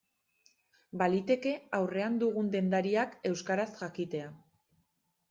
Baliteke aurrean dugun dendariak euskaraz jakitea.